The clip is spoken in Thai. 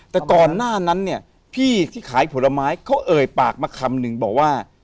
แต่ก่อนหน้านั้นเนี่ยพี่ที่ขายผลไม้เขาเอ่ยปากมาคำนึงบอกว่า